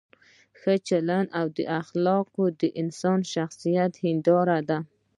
ښه چلند او اخلاق د انسان د شخصیت هنداره ده.